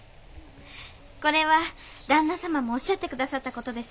これは旦那様もおっしゃって下さった事ですよ。